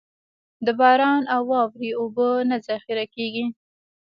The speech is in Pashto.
د باران او واورې اوبه نه ذخېره کېږي.